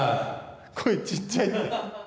こえちっちゃいって！